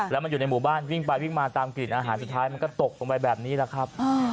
แล้วมันอยู่ในหมู่บ้านวิ่งไปวิ่งมาตามกลิ่นอาหารสุดท้ายมันก็ตกลงไปแบบนี้แหละครับ